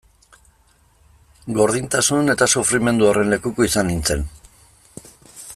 Gordintasun eta sufrimendu horren lekuko izan nintzen.